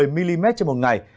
một mươi mm trên một ngày